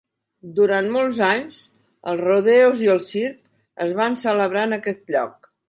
Durant molts anys, els rodeos i els circs es van celebrar en aquest lloc.